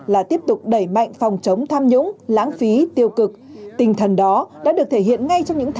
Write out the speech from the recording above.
là tiếp tục đẩy mạnh phát triển